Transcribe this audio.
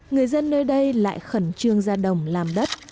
người dân nơi đây lại khẩn trương ra đồng làm đất